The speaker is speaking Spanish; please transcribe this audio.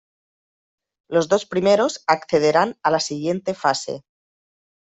Los dos primeros accederán a la siguiente fase.